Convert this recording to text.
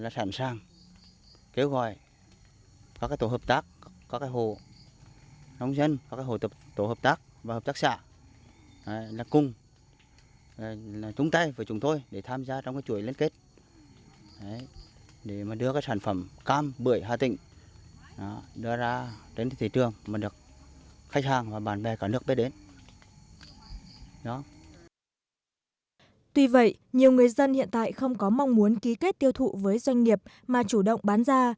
tuy vậy nhiều người dân hiện tại không có mong muốn ký kết tiêu thụ với doanh nghiệp mà chủ động bán ra